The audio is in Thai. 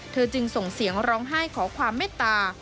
จึงส่งเสียงร้องไห้ขอความเมตตา